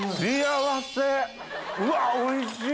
うわおいしい！